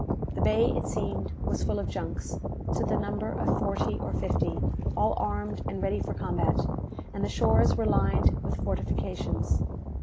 The bay, it seemed, was full of junks, to the number of forty or fifty, all armed and ready for combat; and the shores were lined with fortifications.